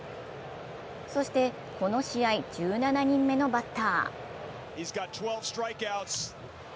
そして、この試合、１７人目のバッター。